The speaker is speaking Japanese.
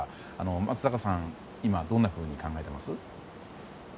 松坂さん、今どんなふうに考えています？